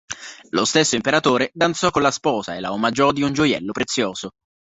Lo stesso imperatore danzò con la sposa e la omaggiò di un gioiello prezioso.